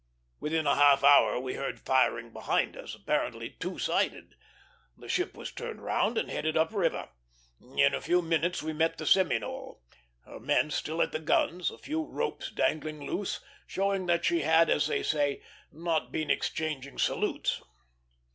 Within a half hour we heard firing behind us, apparently two sided. The ship was turned round and headed up river. In a few minutes we met the Seminole, her men still at the guns, a few ropes dangling loose, showing that she had, as they say, not been exchanging salutes.